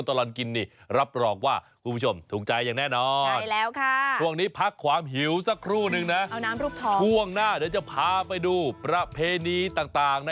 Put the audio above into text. เอาล่ะคุณผู้ชมก็ติดตามกันได้กับตลอดกิน